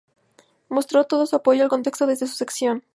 mostró todo su apoyo al texto desde su sección